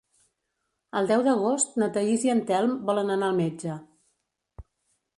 El deu d'agost na Thaís i en Telm volen anar al metge.